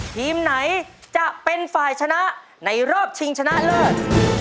ทีมไหนจะเป็นฝ่ายชนะในรอบชิงชนะเลิศ